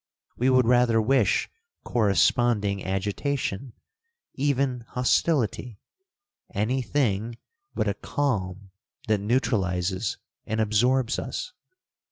We would rather wish corresponding agitation, even hostility—any thing but a calm that neutralizes and absorbs us.